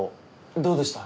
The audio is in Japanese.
どうでした？